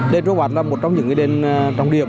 đền trung bát là một trong những đền trong điểm